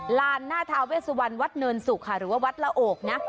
ลานหน้าทาเวสวันวัดเนินสุกค่ะหรือว่าวัดละโอกนะ